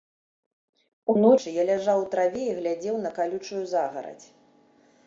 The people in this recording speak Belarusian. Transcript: Уночы я ляжаў у траве і глядзеў на калючую загарадзь.